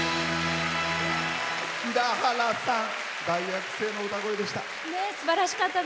平原さん、大学生の歌声でした。